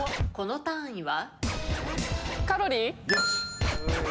この単位は？